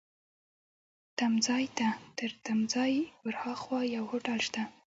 تمځای ته، تر تمځای ورهاخوا یو هوټل شته.